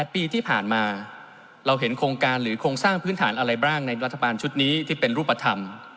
๘ปีที่ผ่านมาเราเห็นโครงการหรือโครงสร้างพื้นฐานอะไรบ้างในรัฐบาลชุดนี้ที่เป็นรูปธรรม